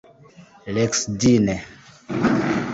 rexedine